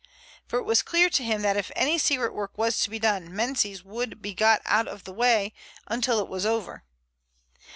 For it was clear to him that if any secret work was to be done Menzies would be got out of the way until it was over.